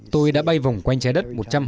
tôi đã bay vòng quanh trái đất